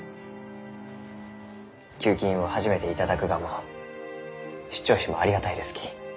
給金を初めて頂くがも出張費もありがたいですき。